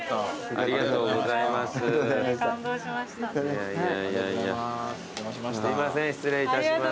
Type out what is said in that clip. ありがとうございます。